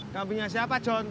kambingnya siapa john